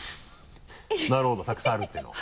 なるほどたくさんあるっていうのを？